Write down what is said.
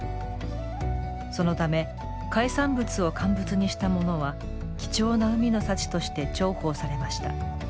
そのため海産物を乾物にしたものは貴重な海の幸として重宝されました。